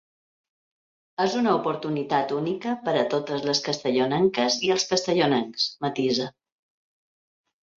“És una oportunitat única per a totes les castellonenques i els castellonencs”, matisa.